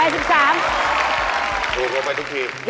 ถูกกว่าไปทุกที